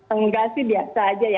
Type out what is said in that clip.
enggak sih biasa aja ya